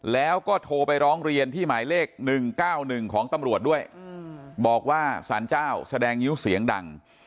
แล้วก็โทรไปร้องเรียนที่หมายเลข๑๙๑ของตำรวจด้วยบอกว่าสารเจ้าแสดงงิ้วเสียงดัง